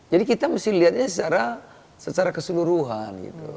jadi kita mesti lihatnya secara keseluruhan